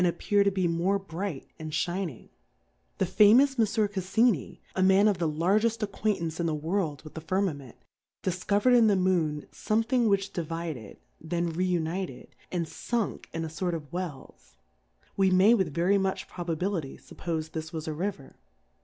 ap pear to be more bright and (hining : The famous . Monfieur Cajfmij a Man ofthelargeft Acquaintance in the World .with the Firmament, difcover'd in the Moon / Plurality ^WORLDS, st M:on fomething which divided, tlien re united, and funk in a fort of Wells : We may with very much probability fup ppfe this was a River.